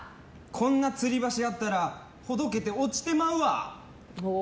こんなつり橋あったらほどけて落ちてまうわ！